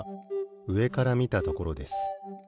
うえからみたところです。